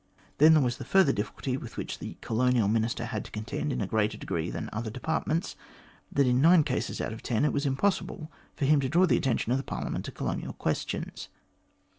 Then there was the further difficulty with which the Colonial Minister had to contend in a greater degree than other departments, that in nine cases out of ten it was impossible for him to draw the attention of Parliament to colonial questions.